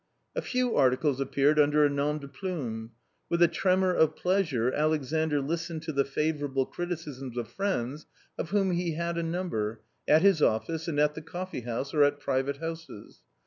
A few articles appeared under a nom de plume. With a tremor of pleasure Alexandr listened to the favourable criticisms of friends, of whom he had a number, at his office, and at the coffee house or at private houses.